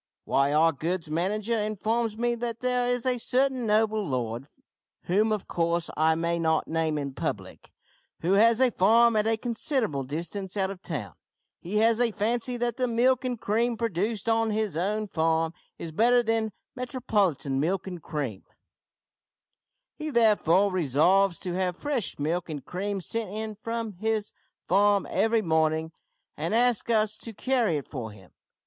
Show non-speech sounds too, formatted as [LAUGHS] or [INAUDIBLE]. "Why, our goods manager informs me that there is a certain noble lord, whom of course I may not name in public, who has a farm at a considerable distance out of town. He has a fancy that the milk and cream produced on his own farm is better than Metropolitan milk and cream. [LAUGHS] He therefore resolves to have fresh milk and cream sent in from his farm every morning, and asks us to carry it for him.